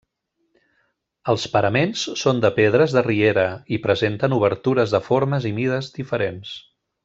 Els paraments són de pedres de riera i presenten obertures de formes i mides diferents.